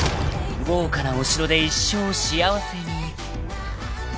豪華なお城で一生幸せに］